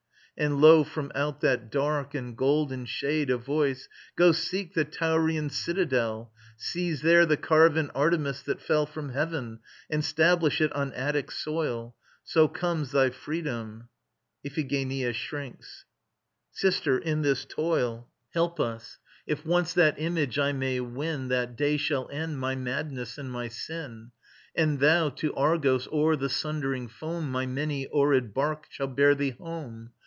And, lo, from out that dark and golden shade A voice: "Go, seek the Taurian citadel: Seize there the carven Artemis that fell From heaven, and stablish it on Attic soil. So comes thy freedom." [IPHIGENIA shrinks.] Sister, in this toil Help us! If once that image I may win That day shall end my madness and my sin: And thou, to Argos o'er the sundering foam My many oared barque shall bear thee home.